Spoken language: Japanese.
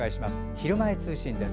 「ひるまえ通信」です。